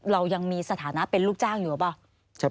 เรายังมีสถานะเป็นลูกจ้างอยู่หรือเปล่า